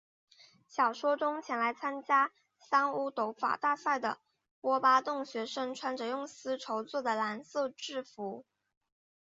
小说中前来参加三巫斗法大赛的波巴洞学生穿着用丝绸作的蓝色制服。